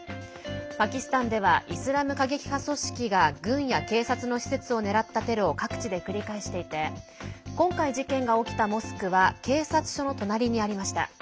パキスタンではイスラム過激派組織が軍や警察の施設を狙ったテロを各地で繰り返していて今回、事件が起きたモスクは警察署の隣にありました。